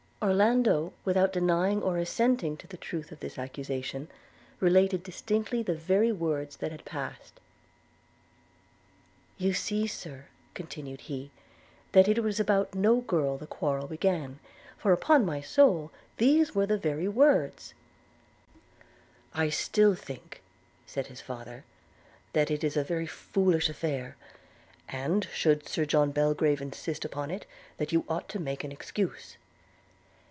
Orlando, without denying or assenting to the truth of this accusation, related distinctly the very words that had passed. – 'You see, Sir,' continued he, 'that it was about no girl the quarrel began; for, upon my soul! these were the very words.' 'I think still,' said his father, 'that it is a very foolish affair; and, should Sir John Belgrave insist upon it, that you ought to make an excuse.'